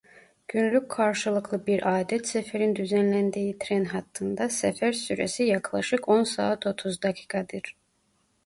Günlük karşılıklı bir adet seferin düzenlendiği tren hattında sefer süresi yaklaşık on saat otuz dakikadır.